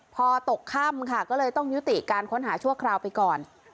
พอตกค่ำค่ะก็เลยต้องยุติการค้นหาชั่วคราวไปก่อน